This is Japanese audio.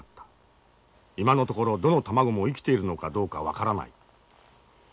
今のところどの卵も生きているのかどうか分からない。